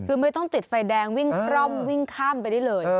คือไม่ต้องติดไฟแดงวิ่งคร่อมวิ่งข้ามไปได้เลย